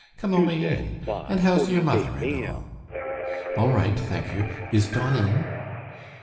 Come away in. And how's ye're mother and all?" "All right, thank you. Is Don in?"